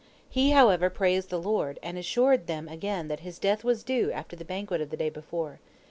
He, however, praised the Lord, and assured them again that his death was due after the banquet of the day before.